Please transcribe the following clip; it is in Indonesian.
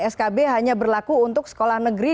skb hanya berlaku untuk sekolah negeri